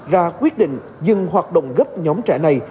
ra quyết định dừng hoạt động gấp nhóm trẻ này